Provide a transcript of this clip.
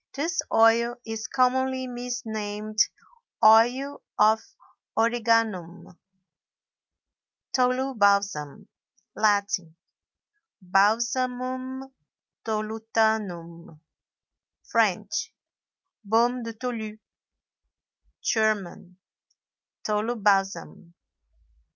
This oil is commonly misnamed Oil of Origanum. TOLU BALSAM. Latin—Balsamum tolutanum; French—Beaume de Tolu; German—Tolubalsam.